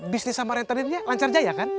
bisnis sama rentenirnya lancar jaya kan